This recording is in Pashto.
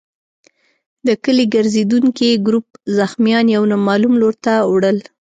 د کلي ګرزېدونکي ګروپ زخمیان يو نامعلوم لور ته وړل.